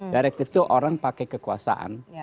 direktif itu orang pakai kekuasaan